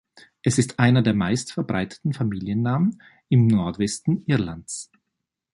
Es ist einer der meist verbreiteten Familiennamen im Nordwesten Irlands.